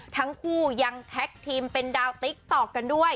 ทั้งคู่ยังทีมเป็นดาวกันด้วย